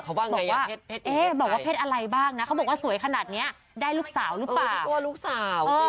เขาบอกว่าเพศอะไรบ้างนะเขาบอกว่าสวยขนาดนี้ได้ลูกสาวหรือเปล่า